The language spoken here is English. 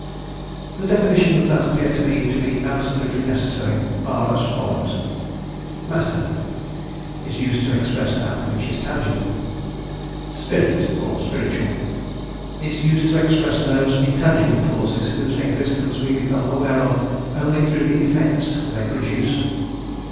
The definitions that appear to me to be absolutely necessary are as follows: Matter is used to express that which is tangible. Spirit (or spiritual) is used to express those intangible forces whose existence we become aware of only through the effects they produce.